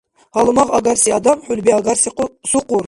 Гьалмагъ агарси адам — хӀулби агарси сукъур.